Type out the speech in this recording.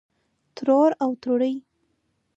ترور او توړۍ